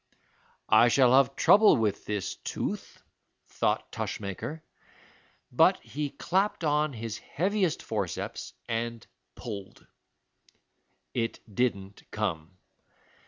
"I shall have trouble with this tooth," thought Tushmaker, but he clapped on his heaviest forceps and pulled. It didn't come.